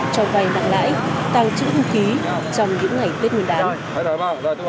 cho vài nặng lãi tăng trữ thông khí trong những ngày tết nguyên đán